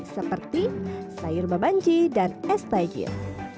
seperti sayur babanji dan es tajir